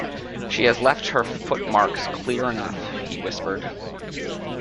"She has left her footmarks clear enough," he whispered.